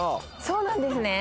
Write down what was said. そうなんですね